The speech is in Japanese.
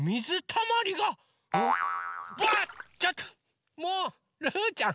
ちょっともうルーちゃん